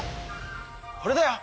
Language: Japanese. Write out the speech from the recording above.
これだよ！